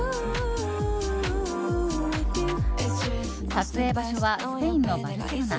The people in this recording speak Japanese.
撮影場所はスペインのバルセロナ。